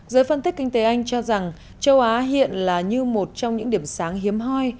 giới phân tích kinh tế anh cho rằng châu á hiện là như một trong những điểm sáng hiếm hoi